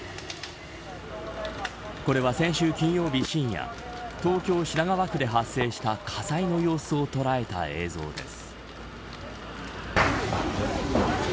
これは先週金曜日、深夜東京・品川区で発生した火災の様子を捉えた映像です。